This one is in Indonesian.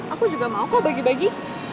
aku juga mau kok bagi bagi